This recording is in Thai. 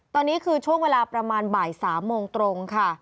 ตอนนี้คือช่วงเวลาประมาณบ่าย๓โมงตรงค่ะ